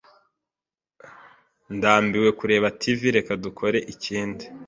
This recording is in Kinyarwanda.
Ndambiwe kureba TV. Reka dukore ikindi.